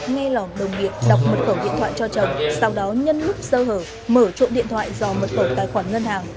nghe lòng đồng nghiệp đọc mật khẩu điện thoại cho chồng sau đó nhân lúc sơ hở mở trộm điện thoại do mật khẩu tài khoản ngân hàng